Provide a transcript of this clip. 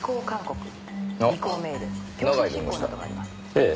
ええ。